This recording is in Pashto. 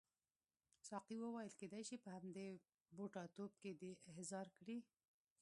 ساقي وویل کیدای شي په همدې بوډاتوب کې دې احضار کړي.